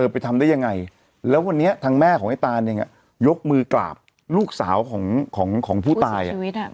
ไปทำได้ยังไงแล้ววันนี้ทางแม่ของไอ้ตานเองยกมือกราบลูกสาวของผู้ตาย